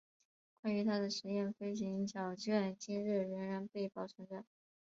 关于他的试验飞行胶卷今日依然被保存着。